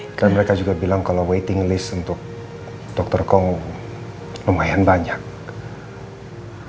hai dan mereka juga bilang kalau waiting list untuk dokter kong lumayan banyak yaa